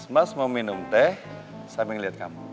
mas mau minum teh sambil ngeliat kamu